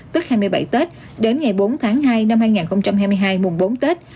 tức hai mươi bảy tết đến ngày bốn tháng hai năm hai nghìn hai mươi hai mùng bốn tết